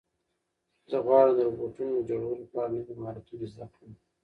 زه غواړم د روبوټونو د جوړولو په اړه نوي مهارتونه زده کړم.